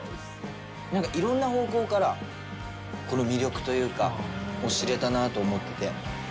なんか、いろんな方向からこの魅力を知れたなと思ってて。